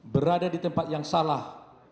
berada di tempat yang salah